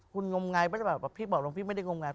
คุณงมงายไม่ได้แบบพี่บอกหลวงพี่ไม่ได้งมงาย